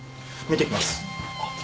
見てきます。